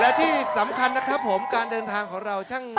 และที่สำคัญนะครับผมการเดินทางของเราช่าง